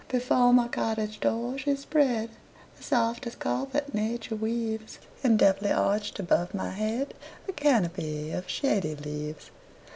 Before my cottage door she spreadThe softest carpet nature weaves, And deftly arched above my headA canopy of shady leaves.